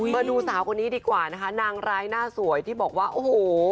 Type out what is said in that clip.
มาดูสาวคนนี้ดีกว่านะคะนางร้ายหน้าสวยที่บอกว่าโอ้โห